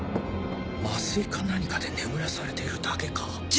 麻酔か何かで眠らされているだけか